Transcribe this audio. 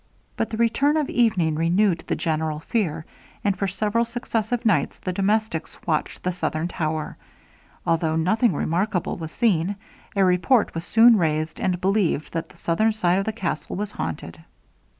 But the return of evening renewed the general fear, and for several successive nights the domestics watched the southern tower. Although nothing remarkable was seen, a report was soon raised, and believed, that the southern side of the castle was haunted.